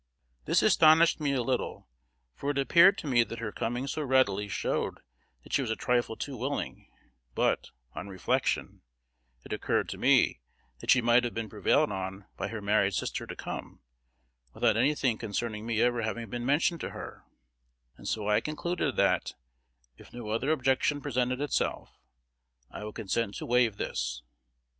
This astonished me a little; for it appeared to me that her coming so readily showed that she was a trifle too willing; but, on reflection, it occurred to me that she might have been prevailed on by her married sister to come, without any thing concerning me ever having been mentioned to her; and so I concluded, that, if no other objection presented itself, I would consent to wave this.